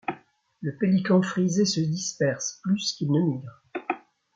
Le pélican frisé se disperse plus qu’il ne migre.